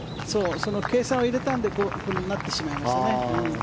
その計算を入れたのでこうなってしまいましたね。